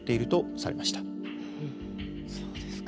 そうですか。